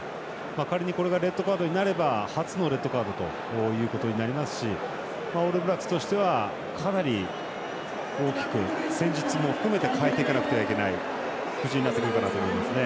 仮にこれがレッドカードになれば初のレッドカードとなりますしオールブラックスとしてはかなり大きく戦術も含めて変えていかなくてはいけない布陣になるかと思いますね。